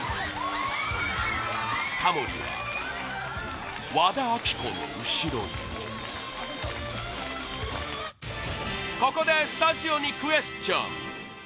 タモリは和田アキ子の後ろにここでスタジオにクエスチョン！